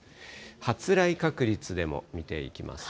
発雷確率でも見ていきます。